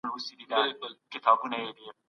کلیوال سهار په دې بوی پیلوي.